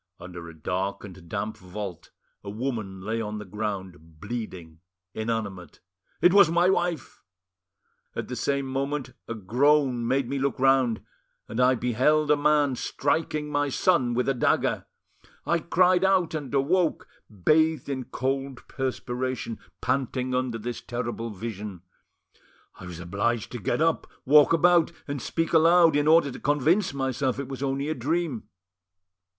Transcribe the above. Under a dark and damp vault a woman lay on the ground, bleeding, inanimate—it was my wife! At the same moment, a groan made me look round, and I beheld a man striking my son with a dagger. I cried out and awoke, bathed in cold perspiration, panting under this terrible vision. I was obliged to get up, walk about, and speak aloud, in order to convince myself it was only a dream.